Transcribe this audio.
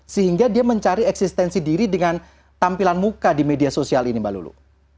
sehingga dia mencari eksistensi diri dengan tampilan muka di media sosial ini mbak lulu